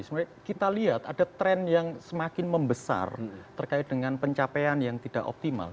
sebenarnya kita lihat ada tren yang semakin membesar terkait dengan pencapaian yang tidak optimal